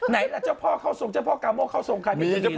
ไหนล่ะเจ้าพ่อเข้าทรงเจ้าพ่อกาโม่เข้าทรงใครเป็นเจ้าพ่อ